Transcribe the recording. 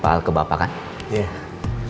bapak sudah berhenti mencari bapak kan